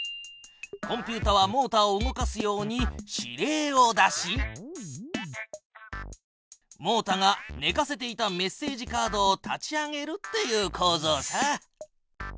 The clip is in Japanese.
コンピュータはモータを動かすように指令を出しモータがねかせていたメッセージカードを立ち上げるっていうこうぞうさ。